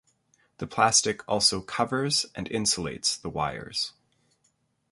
The plastic also covers and insulates the wires.